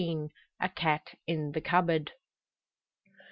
A CAT IN THE CUPBOARD.